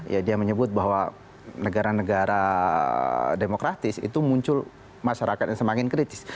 ya dia menyebut bahwa negara negara demokratis itu muncul masyarakat yang semakin kritis